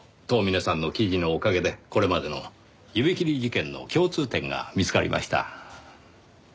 遠峰さんの記事のおかげでこれまでの指切り事件の共通点が見つかりました。